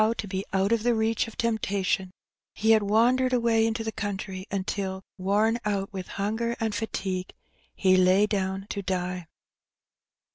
to be out of the reach of temptation, he had wandered away into the country until, worn out with hunger and fatigue, he lay down to die.